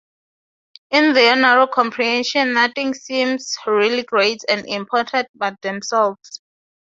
In their narrow comprehension, nothing seems really great and important but themselves.